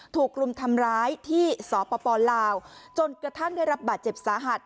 ถูกรุมทำร้ายที่สปลาวจนกระทั่งได้รับบาดเจ็บสาหัส